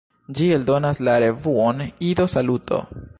Ĝi eldonas la revuon "Ido-Saluto!